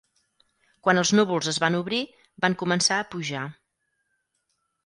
Quan els núvols es van obrir, van començar a pujar.